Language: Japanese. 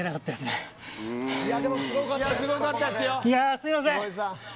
すいません。